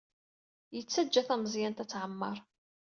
Yettajja tameẓyant-a tɛemmeṛ.